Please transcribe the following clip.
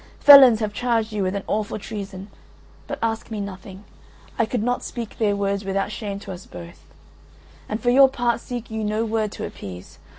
Felons have charged you with an awful treason, but ask me nothing; I could not speak their words without shame to us both, and for your part seek you no word to appease.